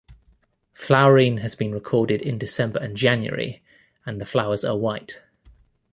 Flowering has been recorded in December and January and the flowers are white.